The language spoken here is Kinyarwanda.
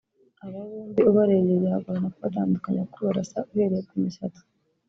Aba bombi ubarebye byagorana kubatandukanya kuko barasa uhereye ku misatsi